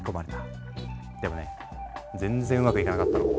でもね全然うまくいかなかったの。